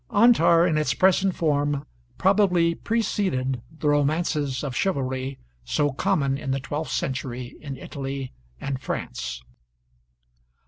'Antar' in its present form probably preceded the romances of chivalry so common in the twelfth century in Italy and France.